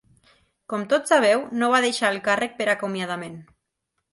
Com tots sabeu, no va deixar el càrrec per acomiadament.